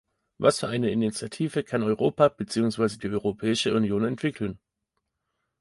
Was für eine Initiative kann Europa beziehungsweise die Europäische Union entwickeln?